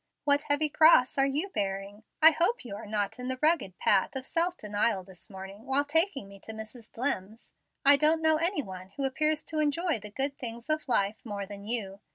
What heavy cross are you bearing? I hope you are not in the rugged path of self denial this morning, while taking me to Mrs. Dlimm's. I don't know any one who appears to enjoy the good things of life more than you.